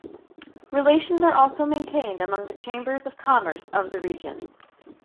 Relations are also maintained among the Chambers of Commerce of the Region.